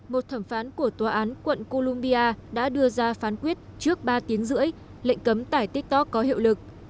một thẩm phán của tòa án quận columbia đã đưa ra phán quyết trước ba tiếng rưỡi lệnh cấm tải tiktok có hiệu lực